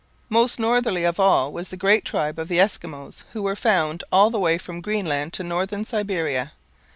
Most northerly of all was the great tribe of the Eskimos, who were found all the way from Greenland to Northern Siberia.